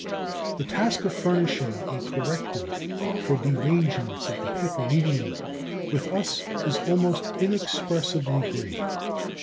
The task of furnishing a corrective for derangements of the paper medium with us is almost inexpressibly great.